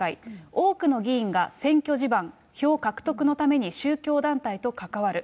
多くの議員が選挙地盤、票獲得のために宗教団体と関わる。